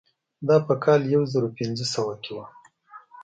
دا په کال یو زر پنځه سوه کې وه.